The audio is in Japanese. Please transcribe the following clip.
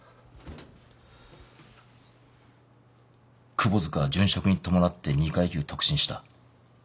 窪塚は殉職に伴って２階級特進した。